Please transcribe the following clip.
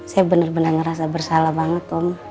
saya bener bener ngerasa bersalah banget om